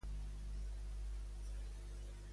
Què ha reclamat a Ardanuy?